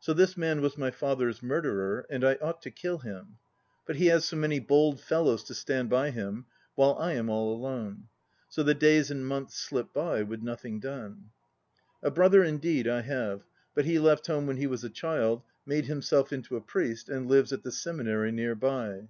So this man was my father's murderer and I ought to kill him. But he has many bold fellows to stand by him, while I am all alone. So the days and months slip by with nothing done. A brother indeed I have, but he left home when he was a child, made himself into a priest, and lives at the seminary near by.